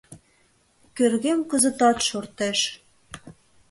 Кӧргем кызытат шортеш.